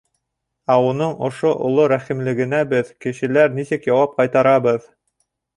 Ә уның ошо оло рәхимлегенә беҙ, кешеләр, нисек яуап ҡайтарабыҙ?